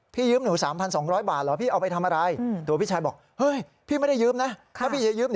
พี่ยืมหนุ่ม๓๒๐๐บาทเหรอ